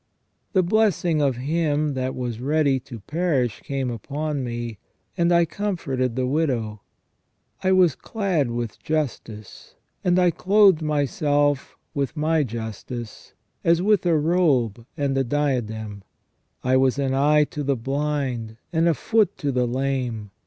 The blessing of him that was ready to perish came upon me ; and I comforted the widow. I was clad with justice, and I clothed myself with my justice as with a robe and a diadem. I was an eye to the blind and a foot to the lame.